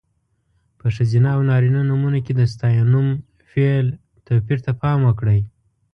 په ښځینه او نارینه نومونو کې د ستاینوم، فعل... توپیر ته پام وکړئ.